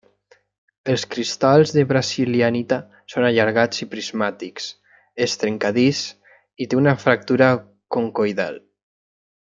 Els cristalls de brasilianita són allargats i prismàtics, és trencadís i té una fractura concoidal.